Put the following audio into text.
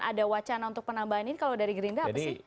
ada wacana untuk penambahin kalau dari gerinda apa sih